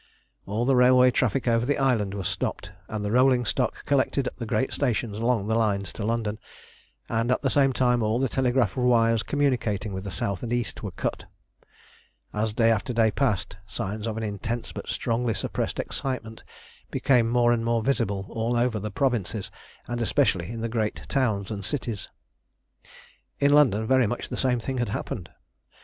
All the railway traffic over the island was stopped, and the rolling stock collected at the great stations along the lines to London, and at the same time all the telegraph wires communicating with the south and east were cut. As day after day passed, signs of an intense but strongly suppressed excitement became more and more visible all over the provinces, and especially in the great towns and cities. In London very much the same thing had happened.